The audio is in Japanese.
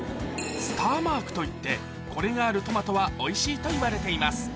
スターマークといってこれがあるトマトはおいしいといわれています